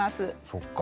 そっか。